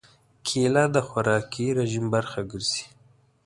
کېله د خوراکي رژیم برخه ګرځي.